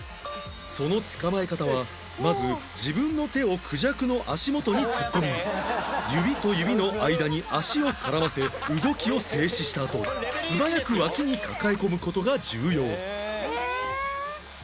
その捕まえ方はまず自分の手をクジャクの足元に突っ込み指と指の間に足を絡ませ動きを制止したあと素早くわきに抱え込む事が重要